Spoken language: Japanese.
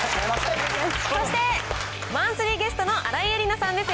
そしてマンスリーゲストの新井恵理那さんです。